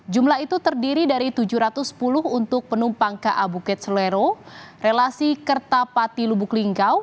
jumlah itu terdiri dari tujuh ratus sepuluh untuk penumpang ka bukit selero relasi kertapati lubuk linggau